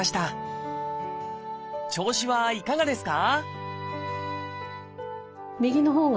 調子はいかがですか？